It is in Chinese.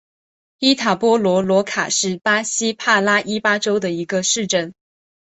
伊塔波罗罗卡是巴西帕拉伊巴州的一个市镇。